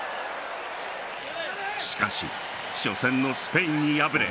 しかし、初戦のスペインに敗れ